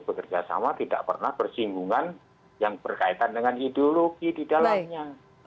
bekerja sama tidak pernah bersinggungan yang berkaitan dengan ideologi di dalamnya